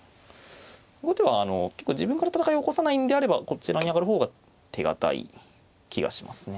後手は結構自分から戦いを起こさないんであればこちらに上がる方が手堅い気がしますね。